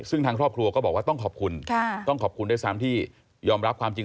ซึ่งทางครอบครัวก็บอกว่าต้องขอบคุณต้องขอบคุณด้วยซ้ำที่ยอมรับความจริง